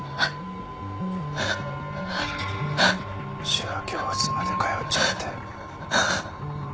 手話教室まで通っちゃって。